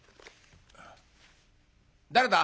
誰だ？